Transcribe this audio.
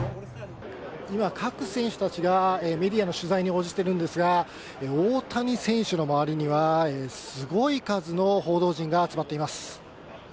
今、各選手たちが、メディアの取材に応じてるんですが、大谷選手の周りには、すごい数の報道陣が集まっています。